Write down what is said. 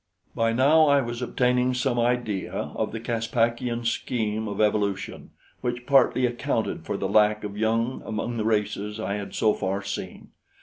By now I was obtaining some idea of the Caspakian scheme of evolution, which partly accounted for the lack of young among the races I had so far seen.